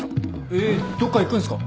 えっどっか行くんすか？